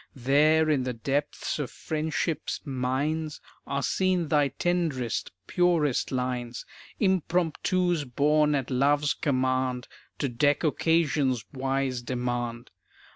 There in the depths of friendship's mines Are seen thy tenderest, purest lines; Impromptus born at love's command To deck occasion's wise demand.